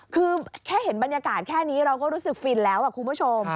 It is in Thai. คือแค่เห็นบรรยากาศแค่นี้เราก็รู้สึกฟินแล้วคุณผู้ชม